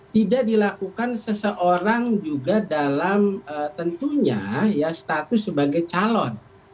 tidak dilakukan seseorang juga dalam tentunya ya status sebagai calon